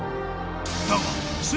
［だが］